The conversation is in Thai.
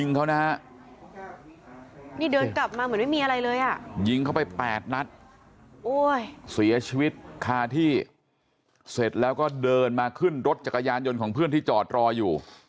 เข้าไปแปดนัดอุ้ยเสียชีวิตคาที่เสร็จแล้วก็เดินมาขึ้นรถจักรยานยนต์ของเพื่อนที่จอดรออยู่